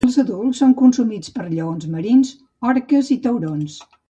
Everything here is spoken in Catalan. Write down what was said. Els adults són consumits pels lleons marins, orques i taurons.